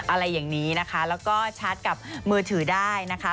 อะไรอย่างนี้นะคะแล้วก็ชาร์จกับมือถือได้นะคะ